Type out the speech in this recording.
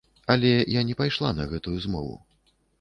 Але я не пайшла на гэтую змову.